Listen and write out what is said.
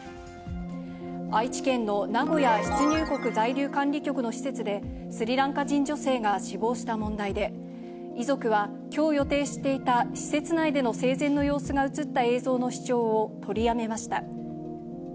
愛知県の名古屋出入国在留管理局の施設で、スリランカ人女性が死亡した問題で、遺族は、きょう予定していた施設内での生前の様子が写った映像の視聴を取りやめました。